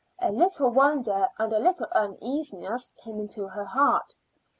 A little wonder and a little uneasiness came into her heart.